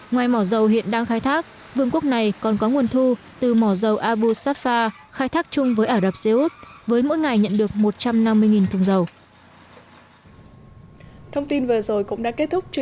ngoài mỏ dầu hiện đang khai thác vương quốc này còn có nguồn thu từ mỏ dầu abusafa khai thác chung với ả rập xê út với mỗi ngày nhận được một trăm năm mươi thùng dầu